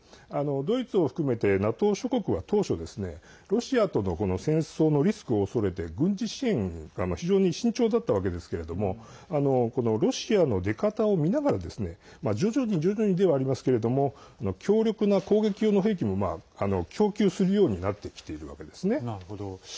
ドイツを含めてＮＡＴＯ諸国は当初ロシアとの戦争のリスクを恐れて軍事支援に、非常に慎重だったわけですけれどもロシアの出方を見ながら徐々に、徐々にではありますけれども強力な攻撃用の兵器も供給するようになってきているわけですね。